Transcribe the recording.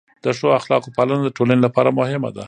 د ښو اخلاقو پالنه د ټولنې لپاره مهمه ده.